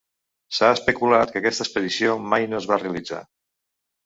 S'ha especulat que aquesta expedició mai no es va realitzar.